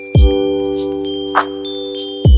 tak mengerti kau